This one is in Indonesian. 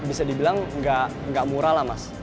bisa dibilang nggak murah lah mas